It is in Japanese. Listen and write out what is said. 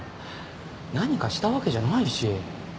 何かしたわけじゃないし。